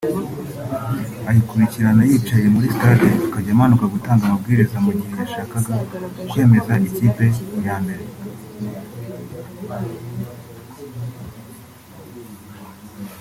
ayikurikirana yicaye muri stade akajya amanuka gutanga ambwiriza mu gihe yashakaga kwemeza ikipe ya mbere